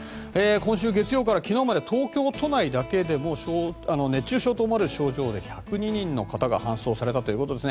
今週月曜から昨日まで東京都内だけでも熱中症と思われる症状で１０２人の方が搬送されたということです。